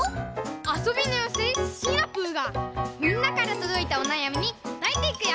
あそびのようせいシナプーがみんなからとどいたおなやみにこたえていくよ！